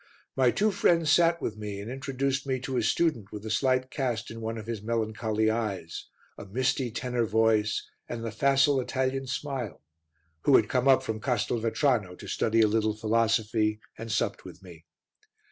My two friends sat with me and introduced me to a student with a slight cast in one of his melancholy eyes, a misty tenor voice and the facile Italian smile, who had come up from Castelvetrano to study a little philosophy, and supped with me.